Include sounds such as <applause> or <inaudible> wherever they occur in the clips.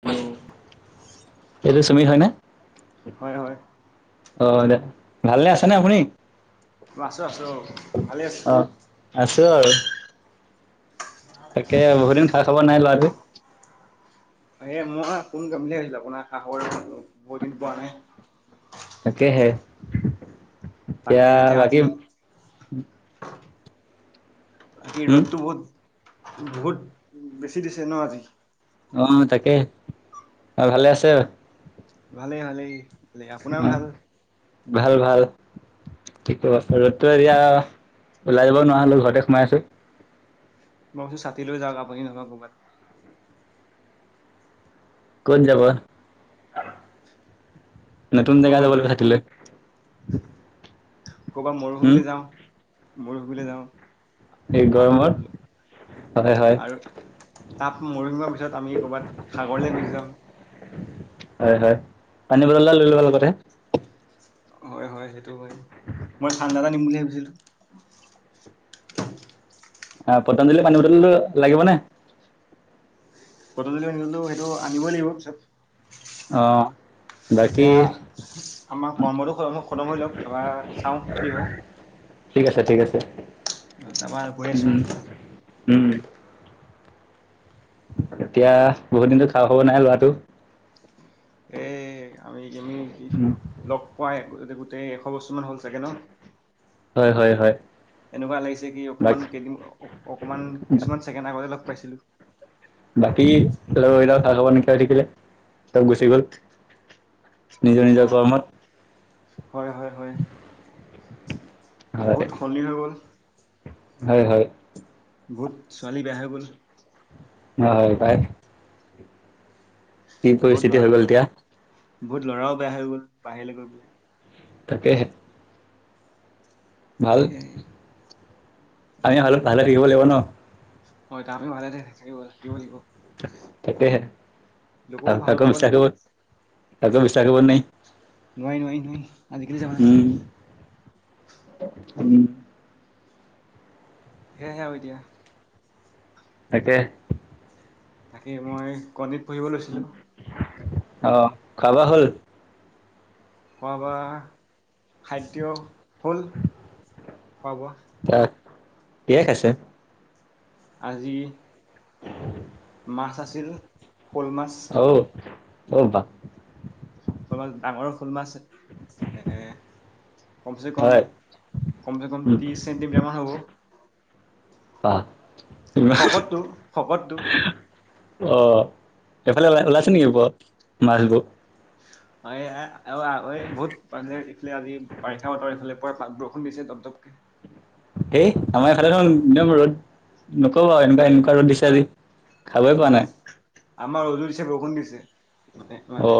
Hello এইটো সুমিত হয়নে? হয় হয়, অ দে ভালে আছ নে আপুনি, অ আছো আছো অ ভালে আছো। অ'। আছো আৰু। তাকে বহুত দিন খা খবৰ নাই ল'ৰাটোৰ। এ মই <unintelligible> আপোনাৰ খা খবৰ বহু দিন পোৱা নাই। তাকেহে তাকে এতিয়া বাকি আজি আজি ৰ'দটো বহুত বহুত বেছি দিছে নহ আজি। অ তাকে আৰু ভালে আছে। ভালেই ভালেই ভালেই আপোনাৰ অ' ভাল। ভাল ভাল। ৰ'দতো এতিয়া ওলাই যাব নোৱাৰা হ'লো ঘৰতে সোমাই আছোঁ। মই কৈছো ছাতি লৈ যাওঁক আপুনি নহলে ক'ৰবাত। ক'ত যাব নতুন জেগা ক'ৰবাত যাবলৈ থাকিলে। <inaudible> ক'ৰবাত মৰুভূমিলৈ যাওঁ মৰুভূমিলৈ যাওঁ এই গৰমত আৰু। হয় হয় আৰু তাত <unintelligible> পিছত আমি কৰবাত সাগৰলৈ গুচি যাওঁ। হয় হয় পানী বটল এটা লৈ ল'বা লগতে। হয় হয় সেইটো হয় মই ঠাণ্ডা এটা নিম বুলি ভাবিছিলো। অহ পতঞ্জলি পানী বটলটো লাগিবনে। পতঞ্জলি পানী বটলটো সেইটো আনিবই লাগিব পিছত। অ। বাকী এতিয়া আমাৰ কৰ্মটো খতম হৈ লওঁক তাৰপৰা চাওঁ কি হয়। ঠিক আছে ঠিক আছে। তাৰপৰা গৈ আছোঁ। উম। উম। এতিয়া বহুত দিনতো খা খবৰ নাই ল'ৰাটোৰ। এ আমি আমি কি উম। লগ পোৱাই গোটেই এশ বছৰ। মান হ'ল চাগে নহ। হয় হয় হয় এনেকুৱা লাগিছে কি বাক অকমান কেইদিন অকমান কিছুমান ছেকেণ্ড আগতে লগ পাইছিলো। বাকী লগৰকেইটাও <unintelligible> হৈ থাকিলে চব গুচি গ'ল। নিজৰ অ নিজৰ কৰ্মত। হয় হয় হয় হয়। বহুত সলনি হৈ গ'ল। হয় হয়। বহুত ছোৱালী বেয়া হৈ গ'ল। হয় পাই। কি বহুত ল'ৰা পৰিস্থিতি হৈ গ'ল এতিয়া। বহুত ল'ৰাও বেয়া হৈ গ'ল বাহিৰলৈ গৈ পেলাই। তাকেহে। ভাল সেয়াই আমি ভাল ভালে থাকিব লাগিব নহ। হয় আমি ভালে <unintelligible> থাকিব থাকিব লাগিব। তাকেহে লোককো আৰু ভাল কাকো পাব বিশ্বাস লাগিব কৰিব কাকো বিশ্বাস কৰিব নাই। নোৱাৰি নোৱাৰি আজিকালি উম। যামানা। <inaudible> উম। সেয়াহে আৰু এতিয়া। তাকে। তাকে মই কণীত পঢ়িব লৈছিলোঁ। অহ খোৱা বোৱা হল। খোৱা বোৱা খাদ্য হ'ল খোৱা বোৱা। কিয়ে খাইছে। আজি। মাছ আছিল শ'ল মাছ। অবা। শল মাছ ডাঙৰ শল মাছ। কমছে কম হয় কমছে কম উম ত্ৰিছ চেণ্টিমিটাৰ মান হ'ব। অ শকতটো শকতটো অ সেফালে ও ওলাইছে নিকি ওপত মাছবোৰ হয় এ এ আ ঐ বহুত মানে এইফালে আজি বাৰিষা বতৰ এইফালে পুৱা পাত বৰষুণ দিছে ত পতককে হেই আমাৰ এফালে দেখোন একদম ৰ'দ নকবা এনেকুৱা এনেকুৱা ৰ'দ দিছে আজি খাবই পোৱা নহয় নাই আমাৰ অলিও দিছে বৰষুণ দিছে মানে অ মানে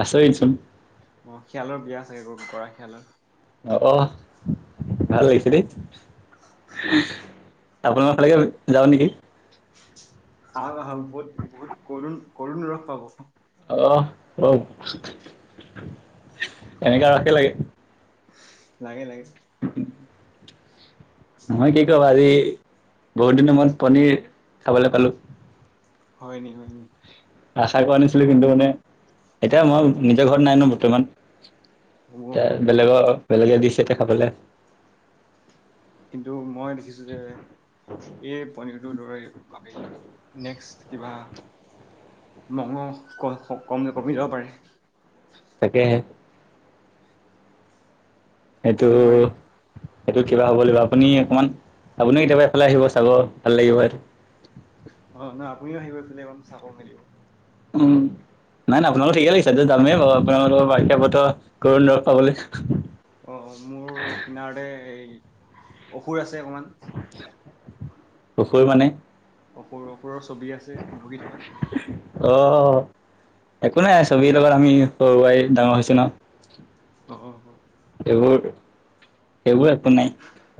আছইচোন অ খিয়েলালৰ বিয়া চাগে গ কৰা খিয়ালৰ আহ ভাল লাগছিল আপোনালাৰ ফালেকে যাও নেকি ভাল ভাল বহুত বহুত ক কৰুণ ৰস পাব আহ হ এনেকা ৰসহে লাগে লাগে লাগে উ মহই কি কওঁ আজি বহুত দিনৰ ময়ত পনিৰ খাবলৈ পালো হয় নি হয় নি আশা কৰা নিছিলো কিন্তু মানে এতিয়া মই নিজৰ ঘৰত নাই ন বৰ্তমান মই এ বুজিছো বেলেগৰ বেলেগে দিছে দেখাবলৈ কিন্তু মই দেখিছো যে এই পনীৰটোৰ দৰে নেক্স কিবা মগ ক কম কমি যাব পাৰে তাকেহে এইটো ক'ব নোৱাৰি সেইটো কিবা হ'ব লাগিব আপুনি অকমান আপুনিও কেতিয়াবাৰে এইফালে আহিব চাব ভাল লাগিব সেইটো অ নাই আপুনিও আহিব এক চাব মেলিব উম নাই নাই আপোনালোক ঠিকে লাগিছে যামেই বাৰু আপোনালোকৰ বাৰিষা বতৰ গৰুণ দৰৱ পাবলৈ অ মোৰ কিনাৰতে এই অসুৰ আছে কমান কৈ মানে অসুৰ অসুৰৰ ছবি আছে বহি থকা অ একো নাই ছবিৰ লগত আমি সৰুৱাই ডাঙৰ হৈছো ন অ অ সেইবোৰ সেইবোৰ একো নাই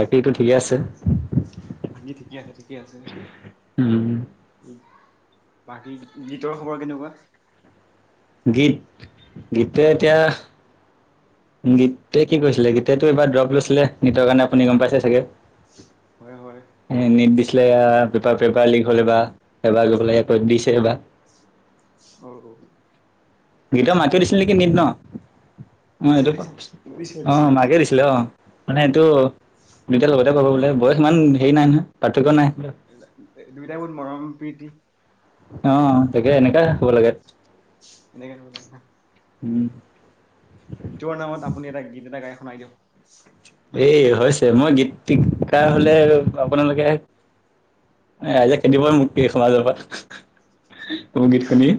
বাকীটো ঠিকে আছে আজি ঠিকে আছে ঠিকে আছে উম উ বাকী গীতৰ খবৰ কেনেকুৱা গীত গীতটোৱে গীত এতিয়া গীতে কি কৈছিলে গীতেতটো এইবাৰ দ্ৰপ লৈছিলে নীটৰ কাৰণে আপুনি গম পাইছে চাগে হয় হয় ছিলে পেপাৰ পেপাৰ লিক হ'লে বা এবাৰ গৈ পাই প দিছেবা অ গীত মাকে দিছিল নেকি নদ ন অ দিছিল এইটো দিছিল দিছিলে অ দিছিলে মাকে দিছিলে অ মানে এইটো দুইটাৰ লগতে কব বোলে বয়স ইমান হেৰি নাই নহয় পাৰ্থক্য নাই দুইটা বহুত মৰম প্ৰীতি অ তাকে এনেকাে হ'ব লাগে এনেকে উম গীতৰ নামত আপুনি এটা গীত এটা গাই শুনাই দিয়ক এ হৈছে মই গীত শিকা হলে আপোনালোকে আইজে খেদিবই মোক কি সমাজৰ পৰা মোৰ গীত শুনি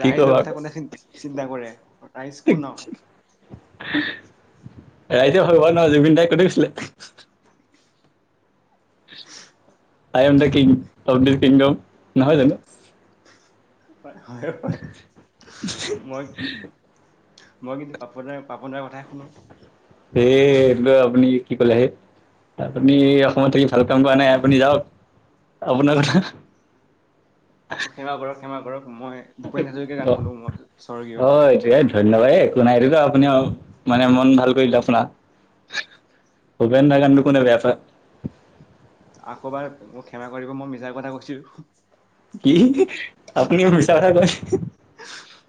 কি কম ৰাইজৰ কথা আকৌ কোনে চিন্তা কৰে ৰাইজ কোন ৰাইজে হ ন জুবিন তাইক ক'ত গৈছিলে I am the king O kingdom নহয় জানো হয় মই মই কিন্তু পাপন দাৰ পাপন দাৰ কথাই শুনো এ এই আপুনি কি কলে সেই আপুনি অসমত থাকি ভাল কাম কৰা নাই আপুনি যাওক আপোনালোকক অ', সেমা কৰক, সেমা কৰক। মই ভূপেন হাজৰিকাৰ গান অ' শুনো মই স্বৰ্গীয় অ' এটো ধন্যবাদ একো নাইতো এইটো আহ আপুনি আহ মানে মন ভাল কৰিলে আপোনাৰ ভূপেন দা গানটো কোনে বেয়া পায়। আকৌবাৰ মোক ক্ষমা কৰিব মই মিছাৰ কথা কৈছোঁ। কি আপুনিও মিছা কথা কৈছে।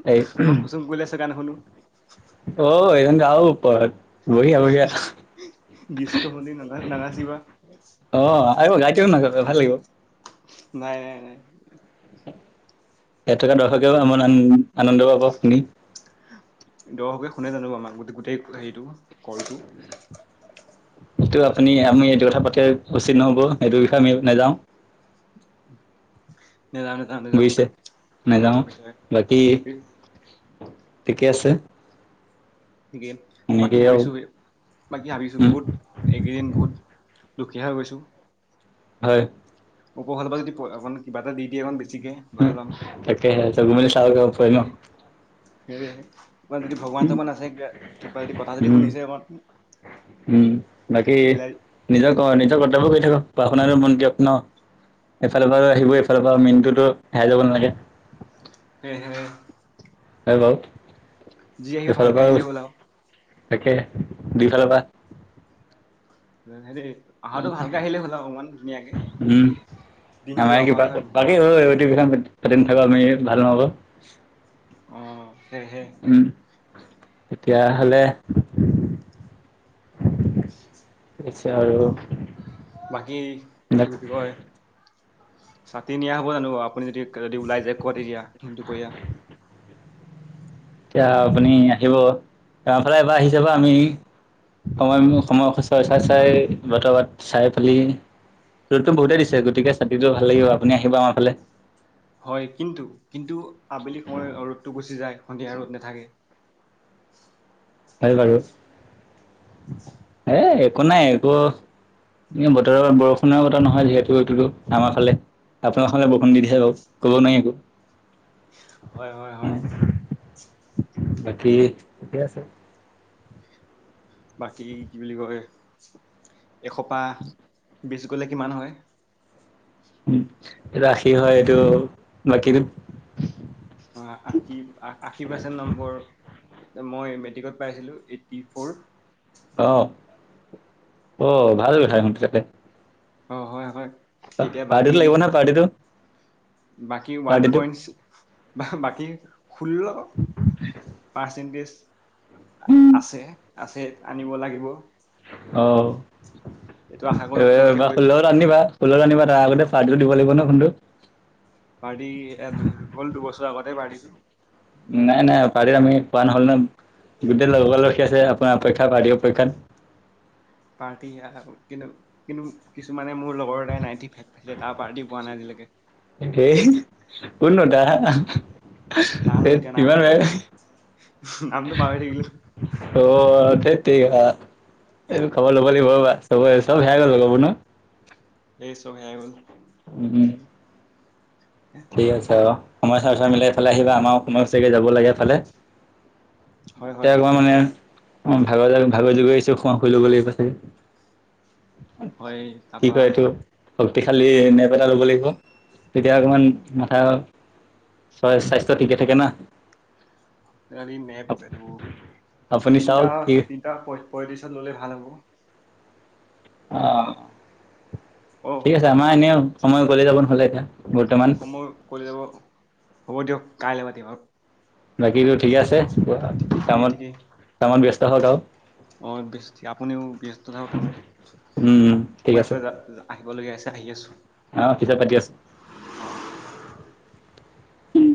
হেৰি মই উম, কুচুম কৈলাশৰ গান শুনো অহ' এইজনী টো আৰু ওপৰত। বঢ়িয়া বঢ়িয়া ডিচস্কো ভণ্টি নানাচিবা। অ', আহিব গাইকো নাহিব ভাল লাগিব। নাই, নাই, নাই। সেইটো গান দৰ্শকেও আমাৰ আন আনন্দ পাব শুনি। দহশকে শুনে জানোঁ আমাৰ গো গোটেই হেৰিটো কৰলটো <inaudible> সেইটো আপুনি আমি এইটো কথা পাতি উচিত নহ'ব। এইটো বিষয়ে আমি নাযাওঁ। <inaudible> নেযাওঁ নেযাওঁ নেযাওঁ বুজিছে, নাযাওঁ কৈছে বাকী ঠিকে আছে। টিকেন বাকী এনেকেই আৰু ভাবিছোঁ, বাকী ভাবিছোঁ উম, বহুত এইকেইদিন বহুত দুখীয়া হৈ গৈছোঁ। হয়। ওপৰৰ ফালৰ পৰা যদি পই অকণ কিবা এটা দিয়ে অকন উম, তাকাকেই চভিমিল চাগৈ ন হেৰী কিবা যদি ভগৱান চগৱান আছে কিব কিবা যদি কথা যদি উম। শুনিছে অকন উম, বাকী নিজৰ নিজৰ কৰ্তব্য কৰি থাকক পঢ়া শুনা মন দিয়ক ন। এইফালৰ পৰা আহিব এইফালৰ পৰা মেইনটোতো হেৰাই যাব নালাগে। তেহেএ হয় বাৰু যি আহিব এইফালৰ ভালকে পৰাও আহিলেই হ'ল আৰু তাকে দুইফালৰ পৰা। হেৰী অহাটো ভালকে আহিলে হ'ল অকমান। ধুনীয়াকে উম, দিনটো আমাৰ যাব কিবা পৰাকে হয় নাই বাকী ঐ ঐ দীঘলা মেল পাতি থকা আমি ভাল নহ'ব। আহ সেইহে তেতিয়া হ'লে <unintelligible> পিছে আৰু বাকী কি বুলি কয়। ছাতি নিয়া হ'ব জানোঁ? আপুনি যদি যদি ওলাই যাই ক'ৰবাত এৰি আহ তো দিন দুপৰীয়া। এতিয়া আপুনি আহিব আমাৰ ফালে এবাৰ আহি চাব আমি। সময় মো সময় চাই চাই চাই চাই বতৰ চাই পেলি ৰ'দতটো বহুতেই দিছে, গতিকে ছাতিটো ভাল লাগিব, আপুনি আহিব আমাৰ ফালে। হয়, কিন্তু কিন্তু আবেলি সময় ৰ'দটো গুচি যায়, সন্ধিয়া ৰ'দ নাথাকে। <inaudible> এই একো নাই এইবোৰ এনেইও বতৰৰ বৰষুণৰ কথা নহয় যিহেতু এইটোতো আমাৰ ফালে। আপোনাৰ খনলে বৰষুণ নিদিয়েহি বাৰু ক'ব নোৱাৰি একো হয় হয় হয় বাকী ঠিকে আছে। বাকী কি বুলি কয় এসোপা। বিছ গ'লে কিমান হয়? উম, এই ৰাশী হয় এইটো বাকী অ' আশী আশী পাৰ্চেণ্ট নম্বৰ মই মেট্ৰিকত পাইছিলোঁ এইটিফ্ৰৌৰ। আহ অ' ভাল কথা তেতে অ' হয়, হয়। পাৰ্টিটো লাগিব ন পাৰ্টিটো। বাকি ওৱান পাৰ্টিটো পইণ্টচ বাকি ষোল্ল পাৰ্চেণ্টেজ আছে। আছে আনিব লাগিব। অ' এইটো আশা কৰো পুতুককে এবাৰ হৈ ষোল্লত আনি দিবা। ষোল্লত আনিবা তাৰ আগতে পাৰ্টিটো দিব লাগিব নহয় সোণটো। পাৰ্টি এ গ'ল দুবছৰৰ আগতেই পাৰ্টিটো নাই নাই পাৰ্টি এটা আমি পোৱা নহ'ল ন। গোটেই লগৰালখী আছে আপোনাৰ অপেক্ষা পাৰ্টি অপেক্ষাত পাৰ্টি আহাতো কিন্ত কিন্তু, কিছুমানে মোৰ লগৰ এটাই নাইঠি ফাইভ পাইছে তাৰ পাৰ্টি পোৱা নাই আজিলৈকে। একেই কোন লডাৰ আহ জানো এতিয়া নামটো, নামটো পাহৰি থাকিলোঁ। <unintelligible> খবৰ ল'ব এতিয়া এইবোৰ খবৰ ল'ব লাগিব ৰবা চবৰে চব হেৰাই গ'ল লগৰ বোৰ ন। এই চ'ব হেৰাই গ'ল। হ'ম এছিয়াৰ চা সময় চাই চাই মিলাই এই ফালে আহিবা আমাৰো সময় হৈছে গৈ যাব লাগে এফালে। হয় হয় <unintelligible> মানে অ', ভাগৰ, ভাগৰ যোগৰে আহিছোঁ, শু-শুই ল'ব লাগিব চাগে। হয়, কি তাপা কয় এইটো শক্তিশালী <unintelligible> এটা ল'ব লাগিব। তেতিয়া অকমান মাথা, চা-স্বাস্থ্য ঠিকে থাকে না? <unintelligible> তিনিটা, তিনিটা আপুনি পই চাওক কি পঁইত্ৰিছত ল'লে ভাল হ'ব। অ', অ ঠিক আছে। আমাৰ এনেও সময় উকলি যাব নহ'লে এতিয়া। বৰ্তমান সময় উকলি যাব, হ'ব দিয়ক কাইলৈ পাতিম আৰু। বাকীটো ঠিকে আছে? ঠিকেই কামত, কামত ব্যস্ত হওঁক আৰু। অ', ব আপুনিও ব্যস্ত থাকক কামত উম ঠিক মই আছে এফালে যা আহিবলগীয়া আছে আহি আছোঁ। অ', পিছত পাতি আছোঁ। উম